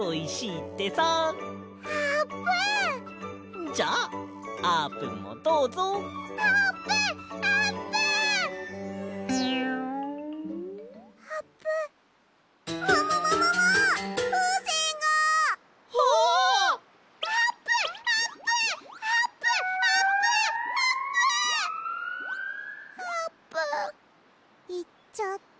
いっちゃった。